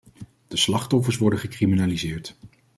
De slachtoffers worden gecriminaliseerd.